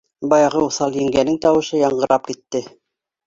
Баяғы уҫал еңгәнең тауышы яңғырап китте: